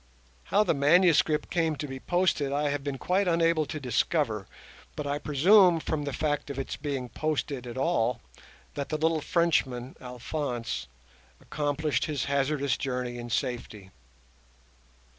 How the MS came to be posted I have been quite unable to discover; but I presume, from the fact of its being posted at all, that the little Frenchman, Alphonse, accomplished his hazardous journey in safety.